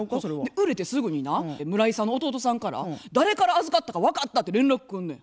売れてすぐにな村井さんの弟さんから誰から預かったか分かったって連絡来んねん。